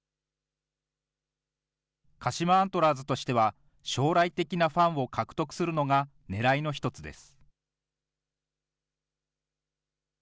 鹿島アントラーズとしては、将来的なファンを獲得するのがねらいの一つです。